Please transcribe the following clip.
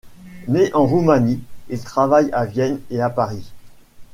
Né en Roumanie, il travaille à Vienne et à Paris.